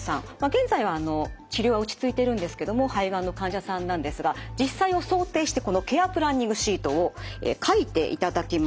現在は治療は落ちついてるんですけども肺がんの患者さんなんですが実際を想定してこのケア・プランニングシートを書いていただきました。